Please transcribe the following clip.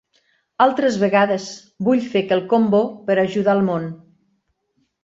Altres vegades, vull fer quelcom bo per ajudar al món.